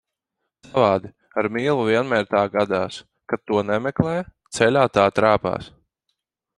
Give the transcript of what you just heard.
Savādi, ar mīlu vienmēr tā gadās, kad to nemeklē, ceļā tā trāpās.